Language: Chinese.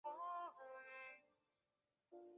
埃尔克内尔是德国勃兰登堡州的一个市镇。